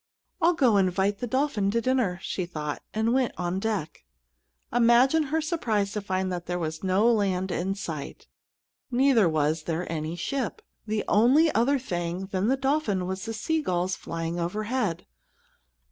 "I'll go invite the dolphin to dinner," she thought; and went on deck. Imagine her surprise to find that there was no land in sight. Neither was there any ship. The only other thing than the dolphin was the sea gulls flying overhead.